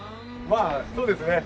まあそうですね。